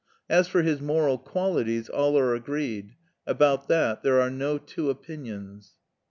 As for his moral qualities all are agreed; about that there are no two opinions.